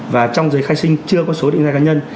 và trong giấy khai sinh chưa có số định danh cá nhân